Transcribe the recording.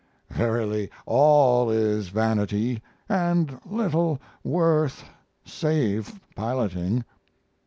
Verily, all is vanity and little worth save piloting.